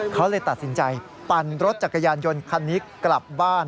เขาเลยตัดสินใจปั่นรถจักรยานยนต์คันนี้กลับบ้าน